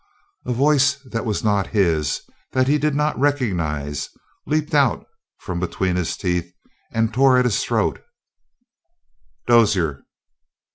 A voice that was not his, that he did not recognize, leaped out from between his teeth and tore his throat: "Dozier!"